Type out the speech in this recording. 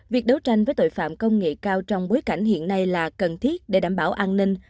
việc đấu tranh với tội phạm công nghệ cao trong bối cảnh hiện nay là cần thiết để đảm bảo an ninh